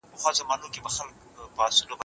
عجیب تصویرونه زموږ احساسات اغېزمنوي.